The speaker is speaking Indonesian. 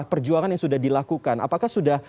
perjuangan yang sudah dilakukan apakah sudah